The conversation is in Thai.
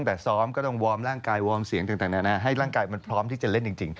แต่กตอบกำรังนะเหมือนถึงว่าตอนนี้